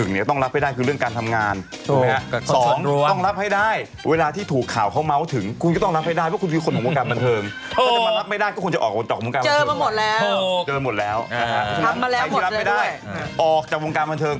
ไม่พูดแล้วเอออันนี้ไม่ได้พูดถึงแฟร์ใช่ไหม